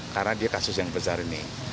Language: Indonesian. karena dia kasus yang besar ini